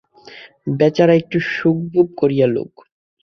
বেচারা একটু সুখভোগ করিয়া লউক।